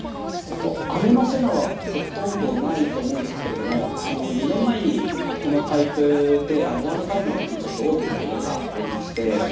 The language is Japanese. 姉のせなはほとんどないと思うんですけど、２年前にここのパイプでワールドカップの時に大きなけががありまして。